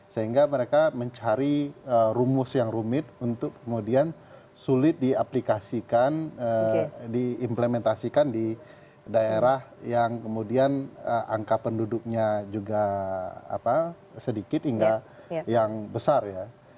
sehingga mereka mencari rumus yang rumit untuk kemudian sulit diaplikasikan diimplementasikan di daerah yang kemudian angka penduduknya juga sedikit hingga yang besar ya